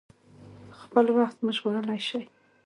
خپل وخت مو ژغورلی شئ.